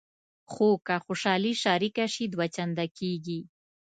خو که خوشحالي شریکه شي دوه چنده کېږي.